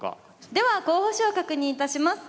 では候補手を確認いたします。